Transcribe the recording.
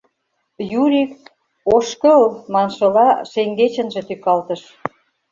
Юрик, «Ошкыл» маншыла, шеҥгечынже тӱкалтыш.